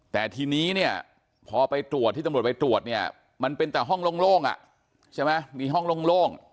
แต่ทีนี้พอไปตรวจที่ตำรวจไปตรวจมันเป็นแต่ห้องโล่งมีห้องโล่ง